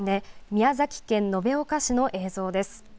宮崎県延岡市の映像です。